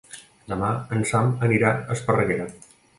Demà en Sam anirà a Esparreguera.